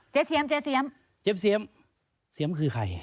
เจสเซียมเจสเซียมเจสเซียมเจสเซียมคือใคร